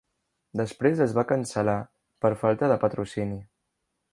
Després es va cancel·lar per falta de patrocini.